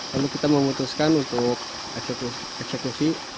lalu kita memutuskan untuk eksekusi